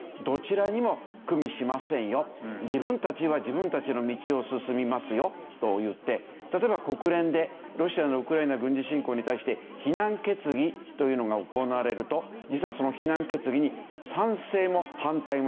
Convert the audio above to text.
自分たちは自分たちの道を進みますよといって例えば国連でロシアのウクライナ軍事侵攻に対して非難決議というのが行われると実はその非難決議に賛成も反対もしないで棄権をする。